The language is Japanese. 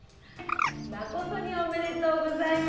まことにおめでとうございます。